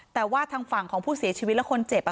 แต่ว่าทางฝั่งของผู้เสียชีวิตและคนเจ็บ